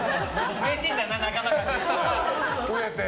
うれしいんだな、仲間が増えて。